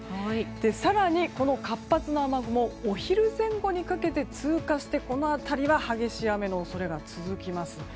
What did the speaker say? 更に、活発な雨雲お昼前後にかけて通過してこの辺りは激しい雨の恐れが続きます。